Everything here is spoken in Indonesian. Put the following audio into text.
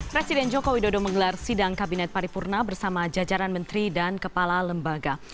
presiden joko widodo menggelar sidang kabinet paripurna bersama jajaran menteri dan kepala lembaga